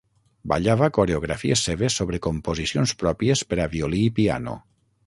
Ballava coreografies seves sobre composicions pròpies per a violí i piano.